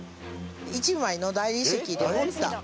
１枚の大理石で彫った。